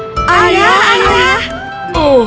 semua gadis berlari padanya